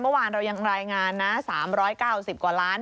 เมื่อวานเรายังรายงานนะ๓๙๐กว่าล้าน